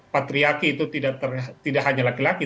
patriaki itu tidak hanya laki laki